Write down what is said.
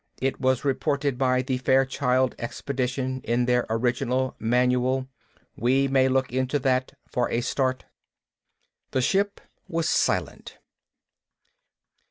It was reported by the Fairchild Expedition in their original manual. We may look into that, for a start." The ship was silent.